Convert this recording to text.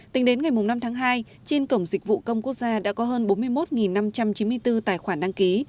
tính đến ngày năm tháng hai trên cổng dịch vụ công quốc gia đã có hơn bốn mươi một năm trăm chín mươi bốn tài khoản đăng ký